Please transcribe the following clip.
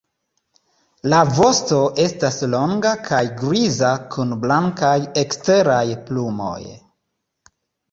La vosto estas longa kaj griza kun blankaj eksteraj plumoj.